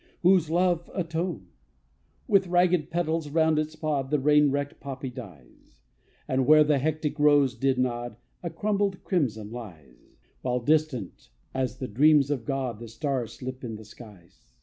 Whose love atone? With ragged petals round its pod The rain wrecked poppy dies; And where the hectic rose did nod A crumbled crimson lies; While distant as the dreams of God The stars slip in the skies.